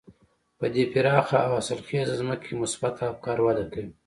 په دې پراخه او حاصلخېزه ځمکه کې مثبت افکار وده کوي.